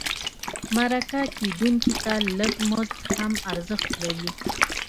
مرکه کېدونکي ته لږ مزد هم ارزښت لري.